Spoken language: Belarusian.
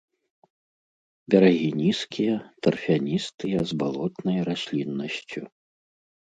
Берагі нізкія, тарфяністыя з балотнай расліннасцю.